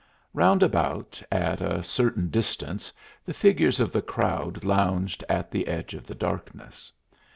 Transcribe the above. Round about, at a certain distance, the figures of the crowd lounged at the edge of the darkness.